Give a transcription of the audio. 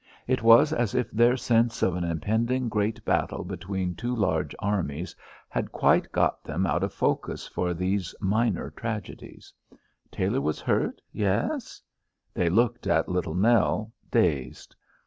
It was as if their sense of an impending great battle between two large armies had quite got them out of focus for these minor tragedies. Tailor was hurt yes? They looked at Little Nell, dazed.